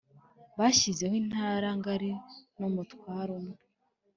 bashyizeho intara ngari n'umutware umwe.